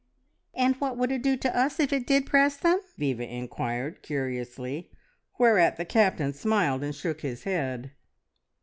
"And what would it do to us if it did press them?" Viva inquired curiously, whereat the Captain smiled and shook his head.